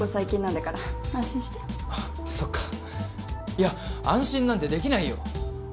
いや安心なんてできないよ。